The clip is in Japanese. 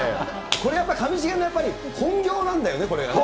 これ、やっぱり上重の本業なんだよね、これがね。